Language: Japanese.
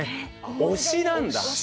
推しなんだ。